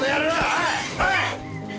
おいおい！